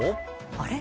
あれ？